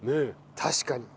確かに。